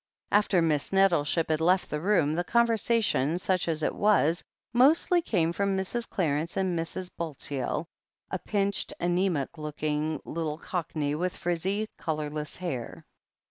After Miss Nettleship had left the room, the con versation, such as it was, mostly came from Mrs. Clarence and Mrs. Bulteel, a pinched, anaemic looking little Cockney with frizzy, colourless hair.